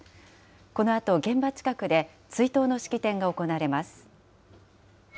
このあと現場近くで追悼の式典が行われます。